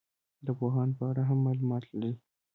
د پوهانو په اړه هم معلومات لري.